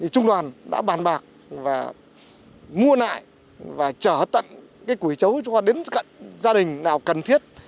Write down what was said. trung đoàn đã bàn bạc và mua lại và trở tặng cái quỷ chấu cho đến cận gia đình nào cần thiết